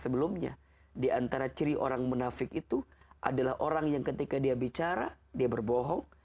sebelumnya diantara ciri orang munafik itu adalah orang yang ketika dia bicara dia berbohong